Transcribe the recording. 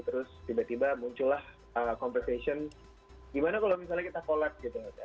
terus tiba tiba muncullah conversation gimana kalau misalnya kita collab gitu